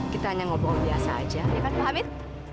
kita hanya ngomong biasa aja ya kan pak hamid